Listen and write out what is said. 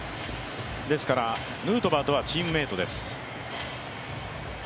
ですから、ヌートバーとはチームメートです。